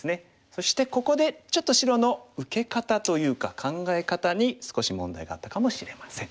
そしてここでちょっと白の受け方というか考え方に少し問題があったかもしれません。